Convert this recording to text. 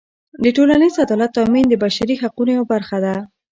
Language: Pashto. د ټولنیز عدالت تأمین د بشري حقونو یوه برخه ده.